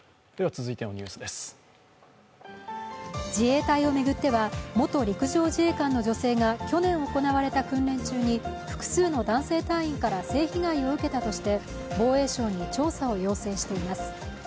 自衛隊を巡っては元陸上自衛官の女性が去年行われた訓練中に、複数の男性隊員から性被害を受けたとして防衛省に調査を要請しています。